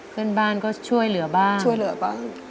เพื่อนบ้านก็ช่วยเหลือบ้างช่วยเหลือบ้าง